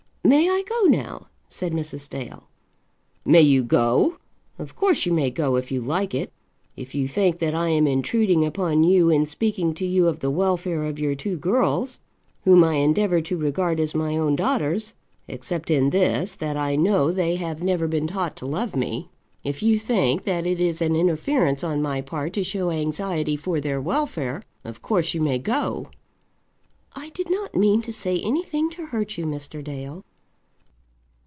"May I go now?" said Mrs. Dale. "May you go? Of course you may go if you like it. If you think that I am intruding upon you in speaking to you of the welfare of your two girls, whom I endeavour to regard as my own daughters, except in this, that I know they have never been taught to love me, if you think that it is an interference on my part to show anxiety for their welfare, of course you may go." "I did not mean to say anything to hurt you, Mr. Dale."